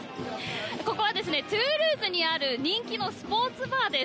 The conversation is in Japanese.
ここはですね、トゥールーズにある、人気のスポーツバーです。